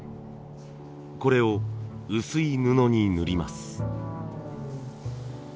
これを薄い布に塗ります。